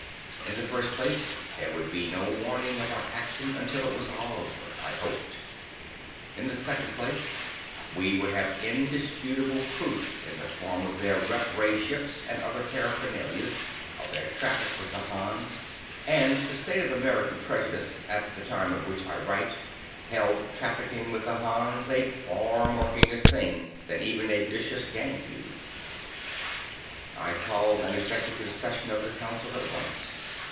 In the first place, there would be no warning of our action until it was all over, I hoped. In the second place, we would have indisputable proof, in the form of their rep ray ships and other paraphernalia, of their traffic with the Hans; and the state of American prejudice, at the time of which I write held trafficking with the Hans a far more heinous thing than even a vicious gang feud. I called an executive session of the Council at once.